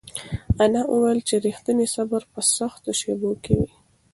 انا وویل چې رښتینی صبر په سختو شېبو کې وي.